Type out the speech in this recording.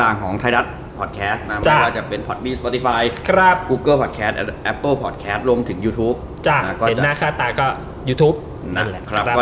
แล้วก็แก๊งนี้ถ้าเกิดเราใครติดตามพวกเขาอยู่ก็